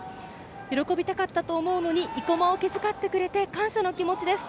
喜びたかったと思うのに生駒を気遣ってくれて感謝の気持ちです。